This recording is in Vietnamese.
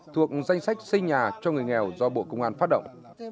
thuộc danh sách xây nhà cho người nghèo do bộ công an phát động